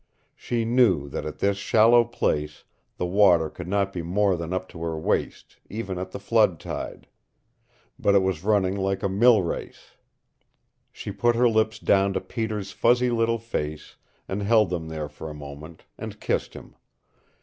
She knew that at this shallow place the water could not be more than up to her waist, even at the flood tide. But it was running like a mill race. She put her lips down to Peter's fuzzy little face, and held them there for a moment, and kissed him.